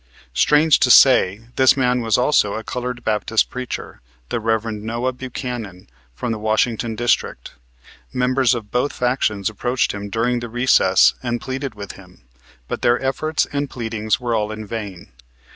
Strange to say, this man was also a colored Baptist preacher, the Rev. Noah Buchanan, from the Washington district. Members of both factions approached him during the recess and pleaded with him, but their efforts and pleadings were all in vain.